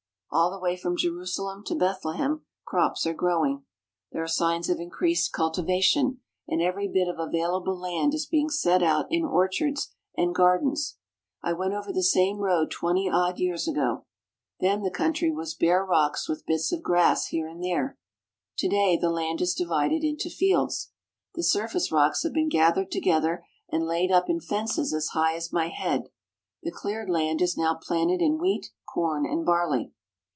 All the way from Jerusalem to Bethlehem crops are grow ing. There are signs of increased cultivation, and every bit of available land is being set out in orchards and gardens. I went over the same road twenty odd years ago. Then the country was bare rocks with bits of grass here and there. To day the land is divided into fields. The surface rocks have been gathered together and laid up in fences as high as my head. The cleared land is now planted in wheat, corn, and barley.